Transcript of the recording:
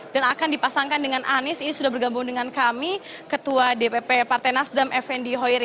dan akan dipasangkan dengan anies ini sudah bergabung dengan kami ketua dpp partai nasdem fnd hoyeri